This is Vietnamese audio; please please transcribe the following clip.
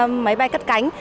lên máy bay cắt cánh